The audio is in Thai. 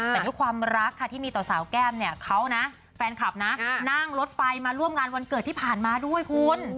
แต่ด้วยความรักค่ะที่มีต่อสาวแก้มเนี่ยเขานะแฟนคลับนะนั่งรถไฟมาร่วมงานวันเกิดที่ผ่านมาด้วยคุณ